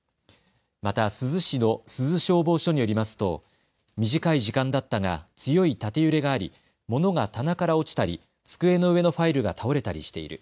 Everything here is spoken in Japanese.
また珠洲市の珠洲消防署によりますと短い時間だったが強い縦揺れがあり、物が棚から落ちたり机の上のファイルが倒れたりしている。